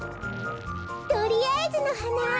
とりあえずのはな！